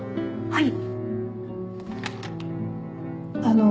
はい。